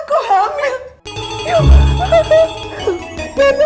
kamu hamil beb